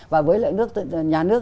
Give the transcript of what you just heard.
và với lợi nhuận nhà nước